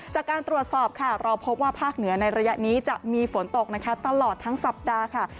จากการตรวจสอบค่ะเราพบว่าภาคเหนือในระยะนี้จะมีฝนตกนะคะตลอดทั้งสัปดาห์ค่ะ